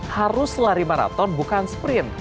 harus lari maraton bukan sprint